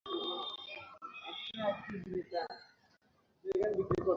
মেয়ের নম্বর নিয়ে কে আগে ম্যাসেজ দিবে তার অপেক্ষা করা।